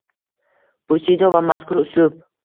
Busido va mazkur uslub